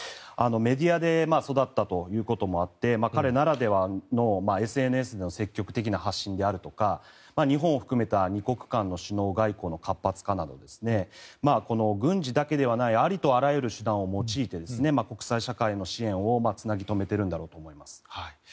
メディアで育ったということもあって彼ならではのＳＮＳでの積極的な発信であるとか日本も含めた２国間の首脳外交の活発化など軍事だけではないありとあらゆる手段を用いて国際社会の支援をつなぎ留めているんだろうと思います。